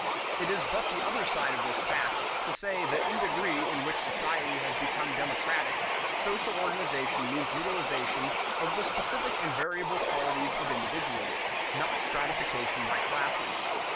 It is but the other side of this fact to say that in the degree in which society has become democratic, social organization means utilization of the specific and variable qualities of individuals, not stratification by classes.